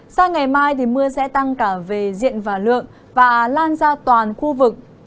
sang ngày mai mưa sẽ tăng cả về diện và lượng và lan ra toàn khu vực